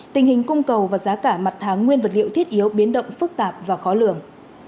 tình hình cung cầu và giá cả mặt hàng nguyên vật liệu thiết yếu biến động phức tạp và khó lường